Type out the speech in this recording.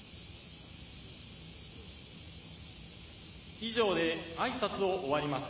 以上であいさつを終わります。